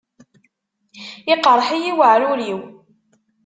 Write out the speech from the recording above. Iqṛeḥ-iyi weɛrur-iw.